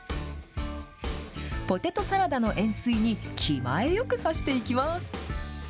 ポテトサラダの円すいに、気前よくさしていきます。